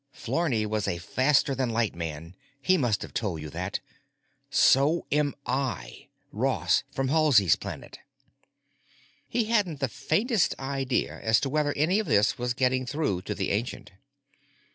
Flarney was a faster than light man. He must have told you that. So am I. Ross, from Halsey's Planet." He hadn't the faintest idea as to whether any of this was getting through to the ancient.